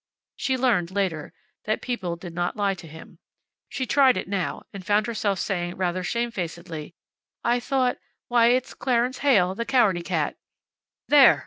She learned, later, that people did not lie to him. She tried it now, and found herself saying, rather shamefacedly, "I thought `Why, it's Clarence Heyl, the Cowardy Cat!'" "There!